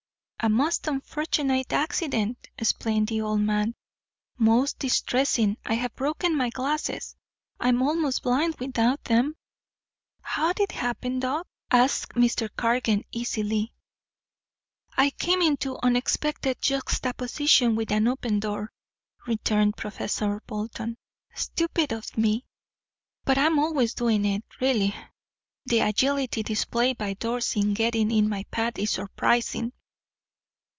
"A most unfortunate accident," explained the old man. "Most distressing. I have broken my glasses. I am almost blind without them." "How'd it happen, Doc?" asked Mr. Cargan easily. "I came into unexpected juxtaposition with an open door," returned Professor Bolton. "Stupid of me, but I'm always doing it. Really, the agility displayed by doors in getting in my path is surprising."